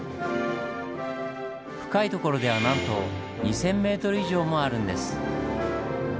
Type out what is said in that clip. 深い所ではなんと２０００ｍ以上もあるんです。